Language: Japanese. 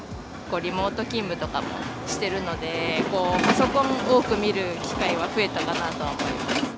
リモート勤務とかもしてるので、パソコンを多く見る機会は増えたかなとは思います。